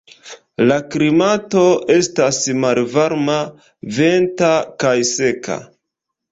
La klimato estas malvarma, venta kaj seka.